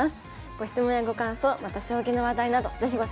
ご質問やご感想また将棋の話題など是非ご紹介ください。